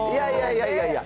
いやいやいや。